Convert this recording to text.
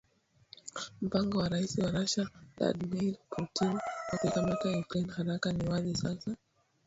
Mpango wa Rais wa Russia Vladmir Putin wa kuikamata Ukraine haraka ni wazi sasa umeshindwa Price alisema kuhusu uvamizi huo wa wiki mbili